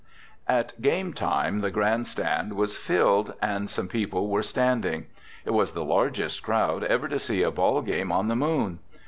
At game time the grandstand was filled and some people were standing. It was the largest crowd ever to see a ball game on the Moon.